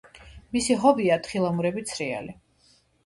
მისი ჰობია თხილამურებით სრიალი.